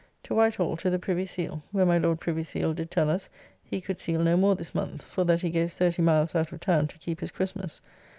To White Hall to the Privy Seal, where my Lord Privy Seal did tell us he could seal no more this month, for that he goes thirty miles out of town to keep his Christmas.